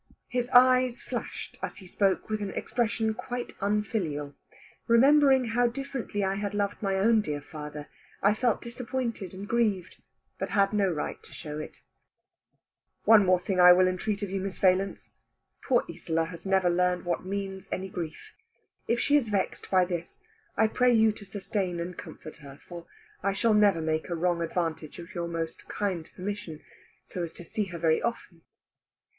His eyes flashed, as he spoke, with an expression quite unfilial. Remembering how differently I had loved my own dear father, I felt disappointed and grieved, but had no right to show it. "Only one more thing I will entreat of you, Miss Valence; poor Isola has never learned what means any grief. If she is vexed by this, I pray you to sustain and comfort her; for I shall never make a wrong advantage of your most kind permission, so as to see her very often."